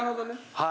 はい。